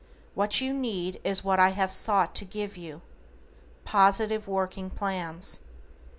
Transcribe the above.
What you need is what I have sought to give you, POSITIVE WORKING PLANS.